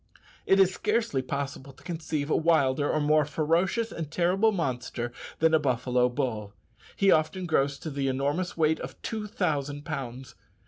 It is scarcely possible to conceive a wilder or more ferocious and terrible monster than a buffalo bull. He often grows to the enormous weight of two thousand pounds.